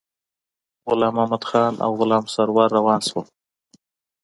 غلام محمدخان او غلام سرور روان شول.